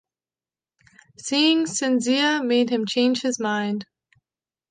Seeing Cinzia made him change his mind.